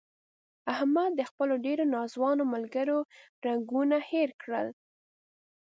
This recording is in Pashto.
احمد د خپلو ډېرو ناځوانه ملګرو رنګون هیر کړل.